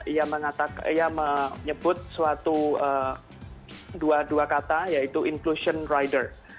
ia menyebut dua dua kata yaitu inclusion rider